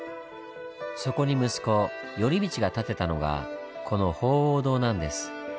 そこに息子頼通が建てたのがこの鳳凰堂なんです。